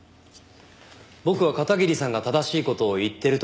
僕は片桐さんが正しい事を言ってると思いました。